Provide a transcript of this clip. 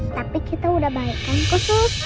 tapi kita udah baik kan khusus